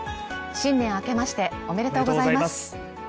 新年明けましておめでとうございます。